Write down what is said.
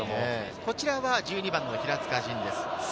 こちらは１２番の平塚仁です。